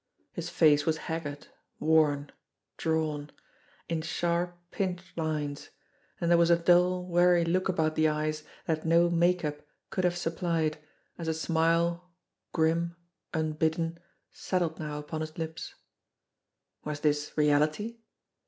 His face was haggard, worn, drawn, in sharp, pinched lines, and there was a dull, weary look about the eyes that no "make up" could have supplied, as a smile, grim, unbidden, settled now upon his lips. Was this reality